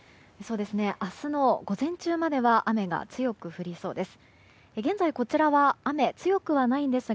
明日の午前中までは雨が強く降りそうです。